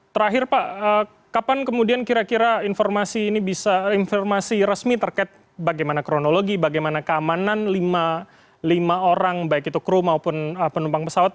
terakhir pak kapan kemudian kira kira informasi ini bisa informasi resmi terkait bagaimana kronologi bagaimana keamanan lima orang baik itu kru maupun penumpang pesawat